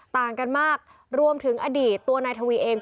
ต่างกันมากรวมถึงอดีตตัวนายทวีเอง